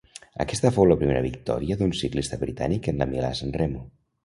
Aquesta fou la primera victòria d'un ciclista britànic en la Milà-Sanremo.